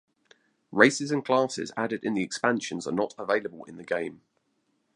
Races and classes added in the expansions are not available in the game.